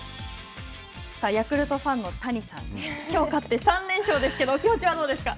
ヤクルトファンの谷さん、きょう勝って３連勝ですけど、気持ちはどうですか。